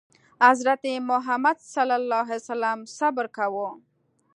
حضرت محمد ﷺ صبر کاوه.